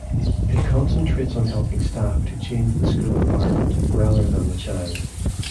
It concentrates on helping staff to change the school environment, rather than the child.